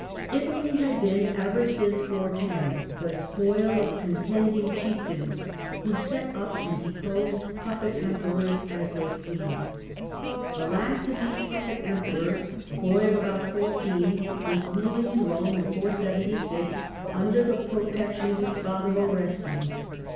Italy Italy had been, ever since 410, the spoil of contending chieftains, who set up and deposed puppet emperors as they pleased. The last of these puppet emperors, a boy of about fourteen, was ruling in Rome in 476, under the protection of his father, Orestes.